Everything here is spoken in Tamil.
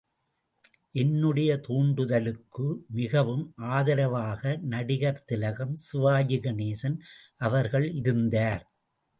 என்னுடைய தூண்டுதலுக்கு மிகவும் ஆதரவாக நடிகர் திலகம் சிவாஜிகணேசன் அவர்கள் இருந்தார்.